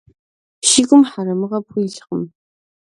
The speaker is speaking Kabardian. Си гум хьэрэмыгъэ пхуилъкъым.